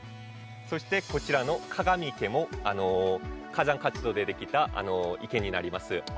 そして、鏡池も火山活動でできた池になります。